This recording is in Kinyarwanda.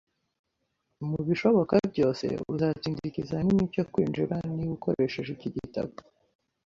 Mubishoboka byose, uzatsinda ikizamini cyo kwinjira niba ukoresheje iki gitabo